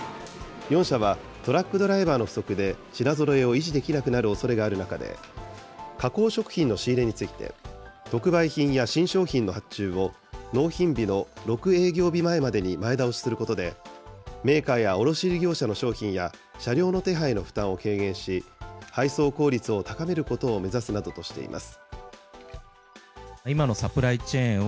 ４社は、トラックドライバーの不足で、品ぞろえを維持できなくなるおそれがある中で、加工食品の仕入れについて、特売品や新商品の発注を納品日の６営業日前までに前倒しすることで、メーカーや卸売り業者の商品や車両の手配の負担を軽減し、配送効率を高めることを目指すなどとしています。